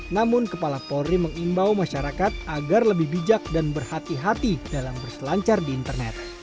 namun kepala polri mengimbau masyarakat agar lebih bijak dan berhati hati dalam berselancar di internet